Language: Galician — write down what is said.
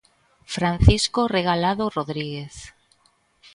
Francisco Regalado Rodríguez.